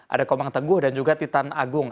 ada komang teguh dan juga titan agung